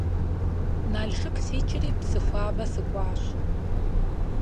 Налшык сикӀри Псыхуабэ сыкӀуащ.